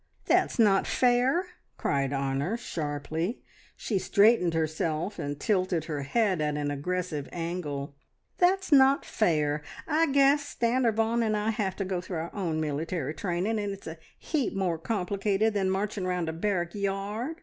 "That's not fair!" cried Honor sharply. She straightened herself and tilted her head at an aggressive angle. "That's not fair. I guess Stanor Vaughan and I have to go through our own military training, and it's a heap more complicated than marching round a barrack yard!